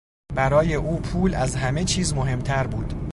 برای او پول از همهچیز مهمتر بود.